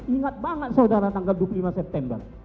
ingat banget saudara tanggal dua puluh lima september